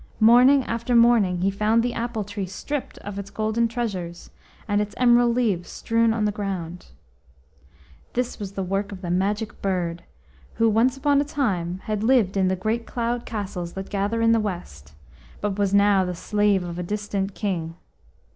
Morning after morning he found the apple tree stripped of its golden treasures, and its emerald leaves strewn on the ground. This was the work of the Magic Bird, who once upon a time had lived in the great cloud castles that gather in the West, but was now the slave of a distant King.